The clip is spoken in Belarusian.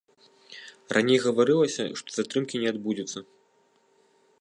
Раней гаварылася, што затрымкі не адбудзецца.